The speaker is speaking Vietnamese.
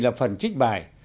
là phần trích bài